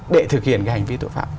để thực hiện cái hành vi tội phạm